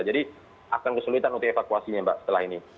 jadi akan kesulitan untuk evakuasinya mbak setelah ini